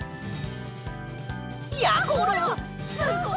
やころすごい！